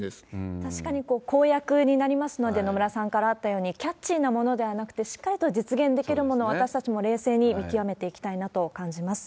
確かに公約になりますので、野村さんからあったようにキャッチーなものではなくて、しっかりと実現できるものを、私たちも冷静に見極めていきたいなと感じます。